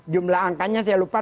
jumlah angkanya saya lupa